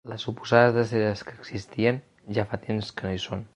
Les suposades dreceres que existien ja fa temps que no hi són.